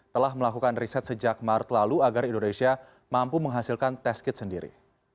telah melakukan riset sejak maret lalu agar indonesia mampu menghasilkan test kit sendiri